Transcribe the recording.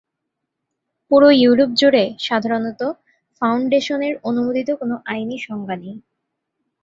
পুরো ইউরোপ জুড়ে সাধারণত ফাউন্ডেশনের অনুমোদিত কোনো আইনি সংজ্ঞা নেই।